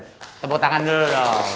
tepuk tangan dulu dong